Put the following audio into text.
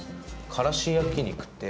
からし焼肉って？